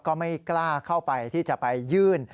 ก็ไม่กล้าเข้าไปที่จะไปยื่น